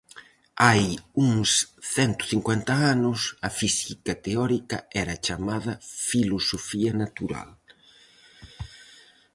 Hai uns cento cincuenta anos, a física teórica era chamada filosofía natural.